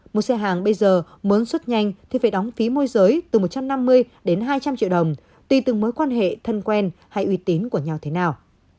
một xe hàng bây giờ muốn xuất nhanh thì phải đóng phí môi giới từ một trăm năm mươi đến hai trăm linh triệu đồng tùy từng mối quan hệ thân quen hay uy tín của nhau thế nào